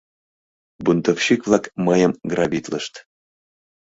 Бунтовщик-влак мыйым грабитлышт.